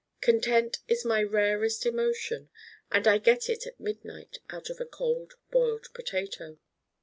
Content is my rarest emotion and I get it at midnight out of a Cold Boiled Potato.